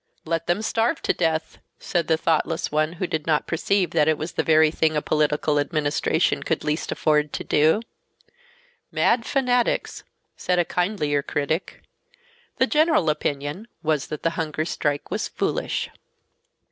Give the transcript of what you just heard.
"Let them starve to death," said the thoughtless one, who did not perceive that that was the very thing a political administration could least afford to do. "Mad fanatics," said a kindlier critic. The general opinion was that the hunger strike was "foolish."